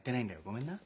ごめんな。